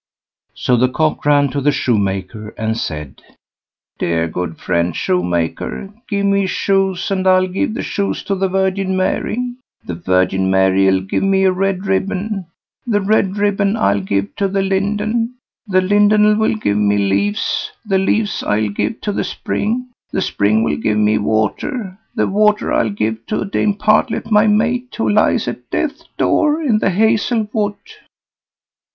So the Cock ran to the Shoemaker and said "Dear good friend Shoemaker, give me shoes, and I'll give the shoes to the Virgin Mary, the Virgin Mary'll give me a red ribbon, the red ribbon I'll give to the Linden, the Linden'll give me leaves, the leaves I'll give to the Spring, the Spring'll give me water, the water I'll give to Dame Partlet my mate, who lies at death's door in the hazel wood."